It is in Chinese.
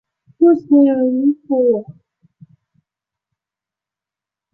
父亲吴甫。